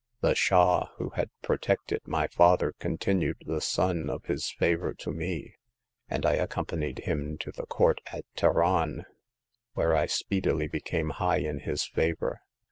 The Shah, who had protected my father, continued the sun of his favor to me ; and I accompanied him to the Court at Teheran, where I speedily became high in his favor.